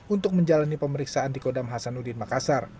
untuk menjalani pemeriksaan di kodam hasanuddin makassar